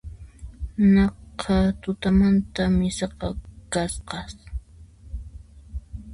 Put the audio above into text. Naqha tutamanta misaqa kasqas